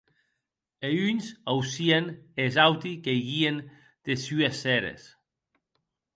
E uns aucien, e es auti queiguien des sues seres.